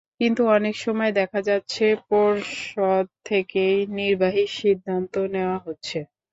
কিন্তু অনেক সময় দেখা যাচ্ছে, পর্ষদ থেকেই নির্বাহী সিদ্ধান্ত নেওয়া হচ্ছে।